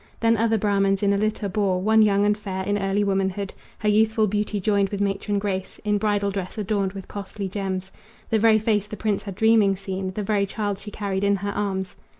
Then other Brahmans in a litter bore One young and fair, in early womanhood, Her youthful beauty joined with matron grace, In bridal dress adorned with costly gems The very face the prince had dreaming seen, The very child she carried in her arms.